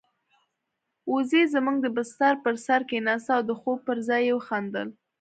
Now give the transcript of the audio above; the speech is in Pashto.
وزې زموږ د بستر پر سر کېناسته او د خوب پر ځای يې وخندل.